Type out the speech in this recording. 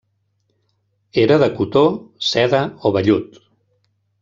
Era de cotó, seda o vellut.